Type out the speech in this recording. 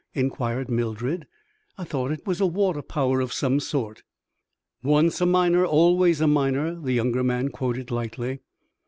inquired Mildred; "I thought it was a water power of some sort!" "Once a miner always a miner," the younger man quoted, lightly.